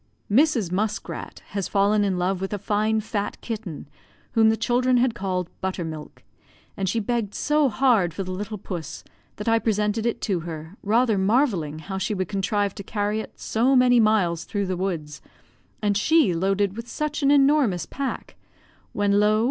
Mrs. Muskrat has fallen in love with a fine fat kitten, whom the children had called "Buttermilk," and she begged so hard for the little puss, that I presented it to her, rather marvelling how she would contrive to carry it so many miles through the woods, and she loaded with such an enormous pack; when, lo!